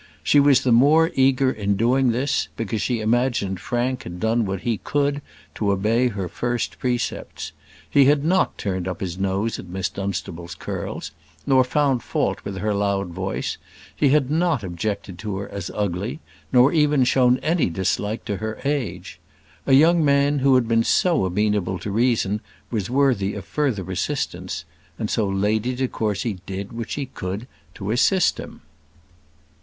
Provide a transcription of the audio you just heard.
She was the more eager in doing this, because she imagined Frank had done what he could to obey her first precepts. He had not turned up his nose at Miss Dunstable's curls, nor found fault with her loud voice: he had not objected to her as ugly, nor even shown any dislike to her age. A young man who had been so amenable to reason was worthy of further assistance; and so Lady de Courcy did what she could to assist him.